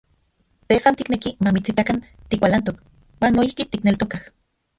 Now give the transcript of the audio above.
Te san tikneki mamitsitakan tikualantok, uan noijki tikneltokaj.